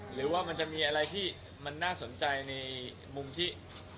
หรือว่ามันจะมีอะไรที่มันน่าสนใจในมุมที่